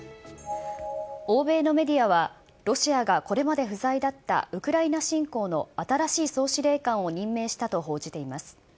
欧米のメディアは、ロシアがこれまで不在だったウクライナ侵攻の新しい総司令官を任命したと報じています。